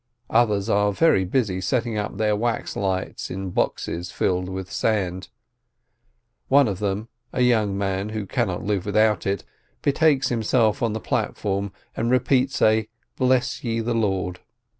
Others are very busy setting up their wax lights in boxes filled with sand; one of them, a young man who cannot live without it, betakes himself to the platform and repeats a "Bless ye the Lord."